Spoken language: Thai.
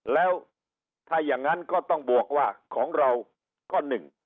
แล้วใครอย่างก็ต้องบวกว่าของเราก็๑